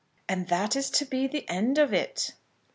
"And that is to be the end of it."